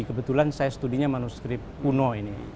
kebetulan saya studinya manuskrip kuno ini